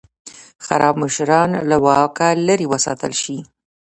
خراب مشران له واکه لرې وساتل شي.